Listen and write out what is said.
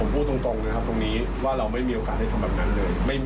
พูดตรงนะครับตรงนี้ว่าเราไม่มีโอกาสให้ทำแบบนั้นเลย